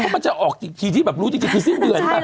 มันจะออกทีที่แบบรู้ทีที่ที่สิ้นเดือนหรือเปล่า